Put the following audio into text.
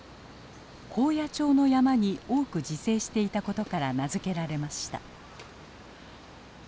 高野町の山に多く自生していたことから名付けられました。